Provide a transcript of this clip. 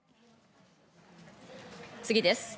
次です。